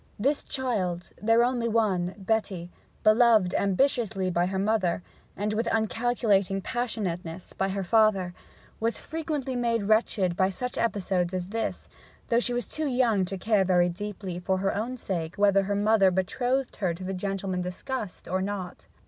This child, their only one, Betty, beloved ambitiously by her mother, and with uncalculating passionateness by her father, was frequently made wretched by such episodes as this; though she was too young to care very deeply, for her own sake, whether her mother betrothed her to the gentleman discussed or not.